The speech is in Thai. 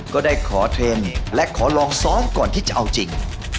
ก็ได้ขอเทรนด์และขอลองซ้อมก่อนที่จะเอาจริง